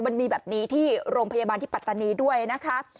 มันมีแบบนี้ที่โรงพยาบาลที่ปัตตานีด้วยนะคะ